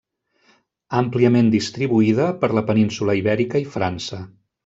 Àmpliament distribuïda per la península Ibèrica i França.